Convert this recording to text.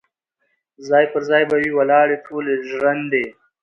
ځاي پر ځای به وي ولاړي ټولي ژرندي